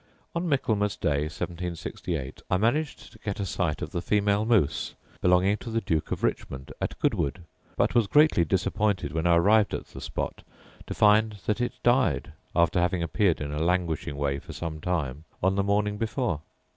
On Michaelmas day 1768 I managed to get a sight of the female moose belonging to the Duke of Richmond, at Goodwood; but was greatly disappointed, when I arrived at the spot, to find that it died, after having appeared in a languishing way for some time, on the morning before.